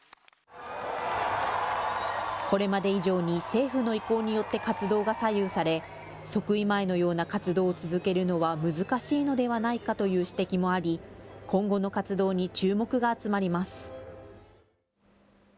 これまで以上に、政府の意向によって活動が左右され、即位前のような活動を続けるのは難しいのではないかという指摘もあり、今後の活動に注目が集まります。